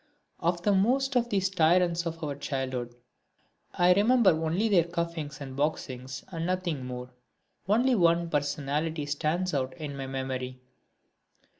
Of most of these tyrants of our childhood I remember only their cuffings and boxings, and nothing more. Only one personality stands out in my memory.